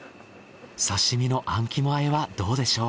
刺身のあん肝和えはどうでしょう？